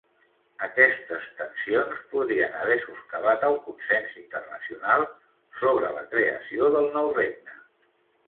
Aquestes tensions podrien haver soscavat el consens internacional sobre la creació del nou regne.